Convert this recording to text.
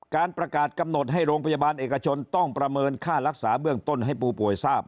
การประกาศกำหนดให้โรงพยาบาลเอกชนต้องประเมินค่ารักษาเบื้องต้นให้ผู้ป่วยทราบ